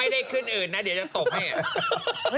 ไม่ได้ขึ้นอื่นนะเดี๋ยวจะตกไหม